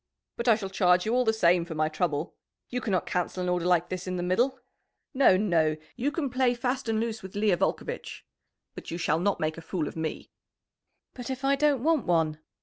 "But I shall charge you all the same for my trouble. You cannot cancel an order like this in the middle! No, no! You can play fast and loose with Leah Volcovitch. But you shall not make a fool of me." "But if I don't want one?"